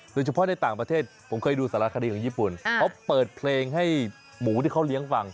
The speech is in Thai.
ในต่างประเทศผมเคยดูสารคดีของญี่ปุ่นเขาเปิดเพลงให้หมูที่เขาเลี้ยงฟัง